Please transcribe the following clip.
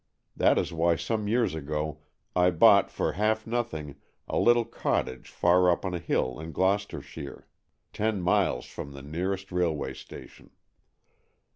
That is why some years ago I bought for half nothing a little cottage far up on a hill in Gloucestershire, ten miles from the nearest railway station.